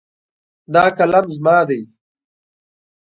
دا قلم زما ده